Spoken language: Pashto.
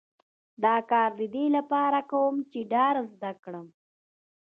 دا کار د دې لپاره کوم چې ډار زده کړم